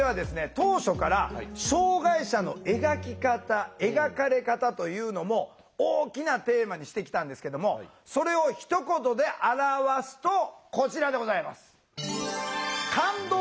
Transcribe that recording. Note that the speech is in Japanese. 当初から障害者の描き方・描かれ方というのも大きなテーマにしてきたんですけどもそれをひと言で表すとこちらでございます。